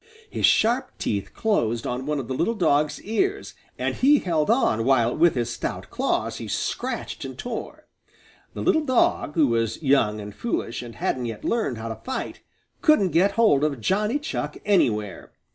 His sharp teeth closed on one of the little dog's ears, and he held on while with his stout claws he scratched and tore. The little dog, who was young and foolish and hadn't yet learned how to fight, couldn't get hold of Johnny Chuck anywhere.